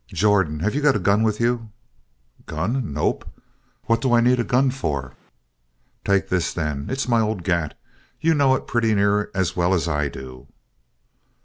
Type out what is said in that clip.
"Jordan, have you got a gun with you?" "Gun? Nope. What do I need a gun for?" "Take this, then. It's my old gat. You know it pretty near as well as I do."